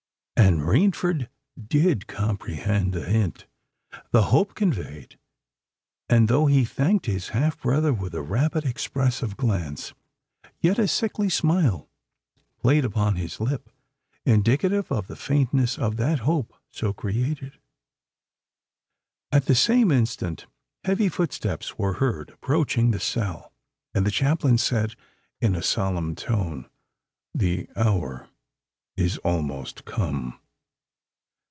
And Rainford did comprehend the hint—the hope conveyed; and though he thanked his half brother with a rapid, expressive glance, yet a sickly smile played upon his lip—indicative of the faintness of that hope so created. At the same instant heavy footsteps were heard approaching the cell; and the chaplain said in a solemn tone, "The hour is almost come!"